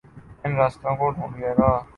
ان رستوں کو ڈھونڈے گا۔